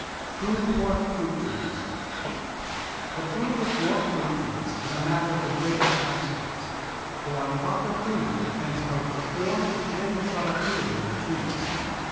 IV PRUNING DWARF FRUIT TREES The pruning of dwarf fruit trees is a matter of the greatest consequence, for on proper pruning depend both the form and the productivity of the trees.